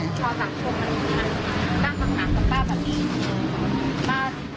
ป้าปัญหากับป้าแบบนี้